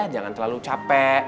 jangan terlalu capek